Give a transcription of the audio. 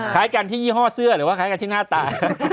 คล้ายกันที่ยี่ห้อเสื้อหรือว่าคล้ายกันที่หน้าตา